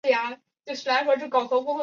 塞普泰姆人口变化图示